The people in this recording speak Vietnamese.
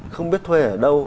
không biết thuê ở đâu